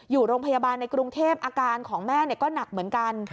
อยู่โรงพยาบาลในกรุงเทพอาการของแม่ก็หนักเหมือนกัน